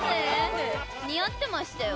似合ってましたよ。